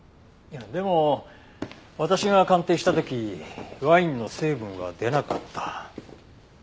でも私が鑑定した時ワインの成分は出なかった。